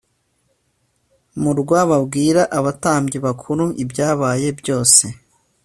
Murwa babwira abatambyi bakuru ibyabaye byose